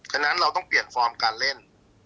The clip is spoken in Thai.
ฉะนั้นเราต้องเปลี่ยนฟอร์มการเล่น